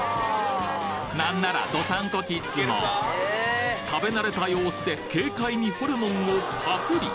何なら道産子キッズも食べ慣れた様子で軽快にホルモンをパクリ！